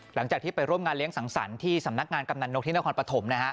หลังจากที่ไปร่วมงานเลี้ยงสังสรรค์ที่สำนักงานกำนันนกที่นครปฐม